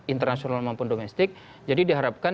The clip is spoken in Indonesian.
internasional maupun domestik jadi diharapkan